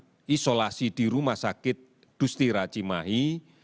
kita lakukan isolasi di rumah sakit dusti raci mahi